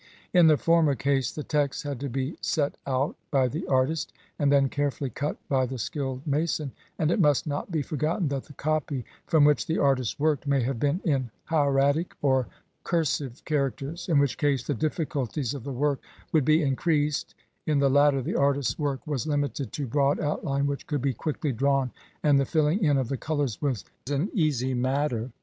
In the former case the texts had to be "set out" by the artist, and then carefully cut by the skilled mason, and it must not be forgotten that the copy from which the artist worked may have been in hieratic or cur sive characters, in which case the difficulties of the work would be increased ; in the latter the artist's work was limited to broad outline which could be quickly drawn, and the filling in of the colours was an easy matter.